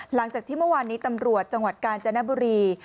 หลังจากที่เมื่อวานนี้ตำรวจจังหวัดกาญจนบุรี